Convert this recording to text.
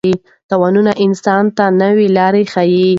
تاوانونه انسان ته نوې لارې ښيي.